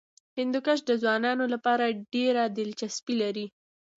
هندوکش د ځوانانو لپاره ډېره دلچسپي لري.